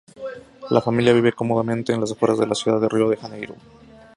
La familia vive cómodamente en las afueras de la ciudad de Río de Janeiro.